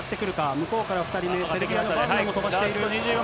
向こうから２人目、セルビアのバルナも飛ばしている。